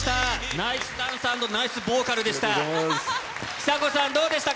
ナイスダンス＆ナイスボーカルでした。